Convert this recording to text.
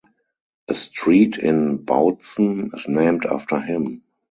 A street in Bautzen is named after him.